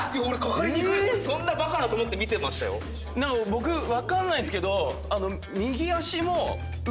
僕分かんないんすけど。